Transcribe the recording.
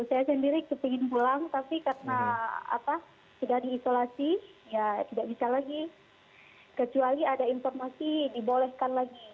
saya sendiri ingin pulang tapi karena sudah diisolasi ya tidak bisa lagi kecuali ada informasi dibolehkan lagi